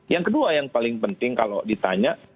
yang kedua yang paling penting kalau ditanya